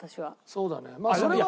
そうだね。